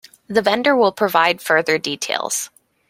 The vendor will provide further details.